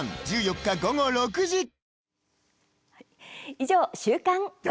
以上、週刊。